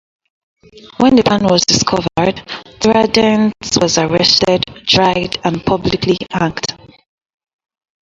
When the plan was discovered, Tiradentes was arrested, tried and publicly hanged.